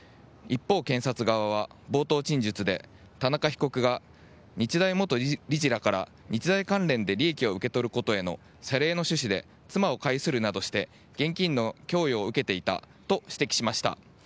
一方、検察側は冒頭陳述で田中被告が日大元理事らから日大関連で利益を受け取ることへの謝礼の趣旨で妻を介するなどして現金の供与を受けていたと指摘しました。